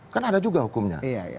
kan ada juga hukumnya